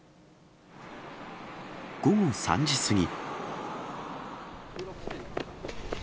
午後３時過ぎ。